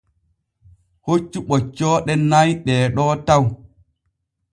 Hoccu ɓoccooɗe nay ɗeeɗo taw.